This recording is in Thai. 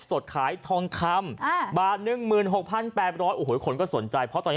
สดขายทองคำแห่งบาน๑๖๘๐๐คนก็สนใจเพราะตอนนี้ลืมลักษณะ